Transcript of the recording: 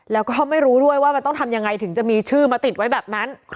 แล้วก็ไม่รู้ด้วยว่ามันต้องทำยังไงถึงจะมีชื่อมาติดไว้แบบนั้น